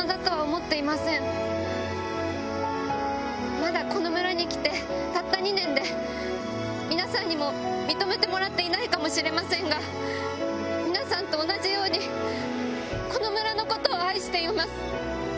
まだこの村に来てたった２年で皆さんにも認めてもらっていないかもしれませんが皆さんと同じようにこの村のことを愛しています。